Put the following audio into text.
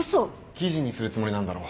記事にするつもりなんだろ？